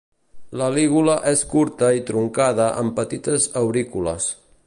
La lígula és curta i truncada amb petites aurícules.